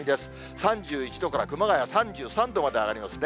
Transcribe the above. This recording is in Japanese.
３１度から熊谷、３３度まで上がりますね。